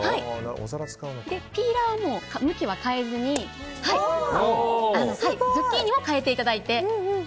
ピーラーの向きは変えずにズッキーニを変えていただいて。